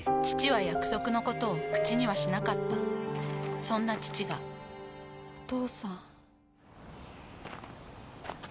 父は約束のことを口にはしなかったそんな父がお父さん。